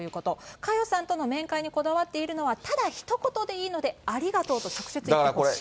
佳代さんとの面会にこだわっているのは、ただひと言でいいので、ありがとうと直接言ってほしい。